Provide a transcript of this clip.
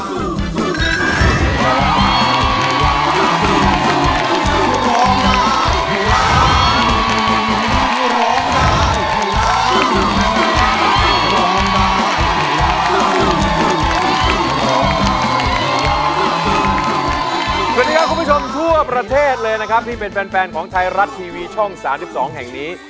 สวัสดีครับคุณผู้ชมทั่วประเทศเลยนะครับที่เป็นแฟนของไทยรัฐทีวีช่อง๓๒แห่งนี้